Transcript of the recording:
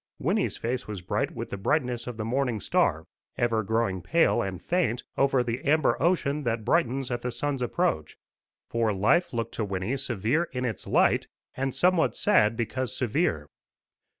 Wynnie's face was bright with the brightness of the morning star, ever growing pale and faint over the amber ocean that brightens at the sun's approach; for life looked to Wynnie severe in its light, and somewhat sad because severe.